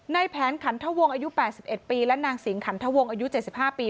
ในแผนขันทวงอายุ๘๑ปีและนางสิงขันทวงอายุ๗๕ปี